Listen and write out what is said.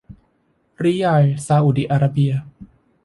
ริยัลซาอุดีอาระเบีย